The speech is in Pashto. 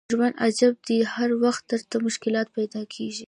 ژوند عجیب دی هر وخت درته مشکلات پیدا کېږي.